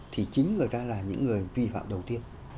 thì chính người ta là những người vi phạm đầu tiên